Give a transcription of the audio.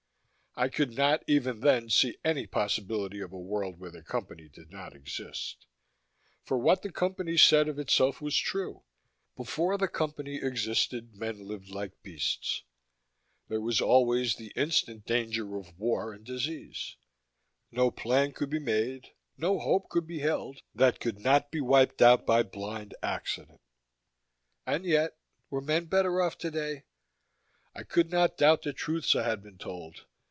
I could not, even then, see any possibility of a world where the Company did not exist. For what the Company said of itself was true: Before the Company existed, men lived like beasts. There was always the instant danger of war and disease. No plan could be made, no hope could be held, that could not be wiped out by blind accident. And yet, were men better off today? I could not doubt the truths I had been told.